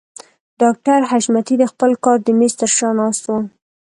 ډاکټر حشمتي د خپل کار د مېز تر شا ناست و.